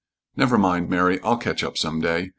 "Never mind, Mary, I'll catch up some day.